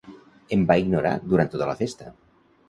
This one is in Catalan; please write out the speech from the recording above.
Em va ignorar durant tota la festa.